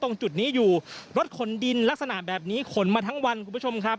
ตรงจุดนี้อยู่รถขนดินลักษณะแบบนี้ขนมาทั้งวันคุณผู้ชมครับ